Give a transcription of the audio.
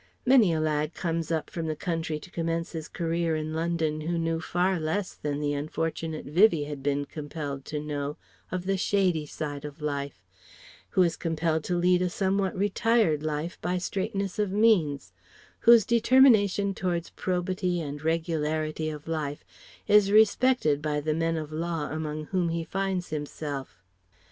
Many a lad comes up from the country to commence his career in London who knew far less than the unfortunate Vivie had been compelled to know of the shady side of life; who is compelled to lead a somewhat retired life by straitness of means; whose determination towards probity and regularity of life is respected by the men of law among whom he finds himself.